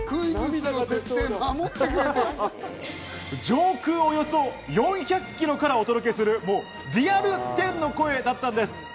上空およそ４００キロからお届けするリアル天の声だったんです。